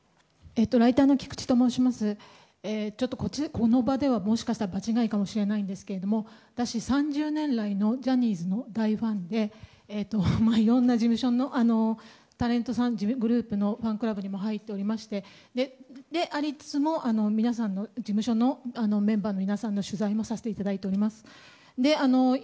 この場では、もしかしたら場違いかもしれないんですが私３０年来のジャニーズの大ファンでいろんな事務所のタレントさんグループのファンクラブにも入っておりましてそれでありつつも事務所のメンバーの皆さんの取材もさせていただいております。